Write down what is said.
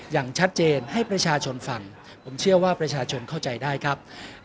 อย่างชัดเจนให้ประชาชนฟังผมเชื่อว่าประชาชนเข้าใจได้ครับ